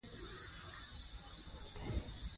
ازادي راډیو د امنیت د منفي اړخونو یادونه کړې.